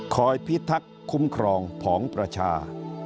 พิทักษ์คุ้มครองผองประชา